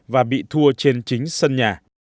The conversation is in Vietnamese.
và bị thua trên chính sân nhà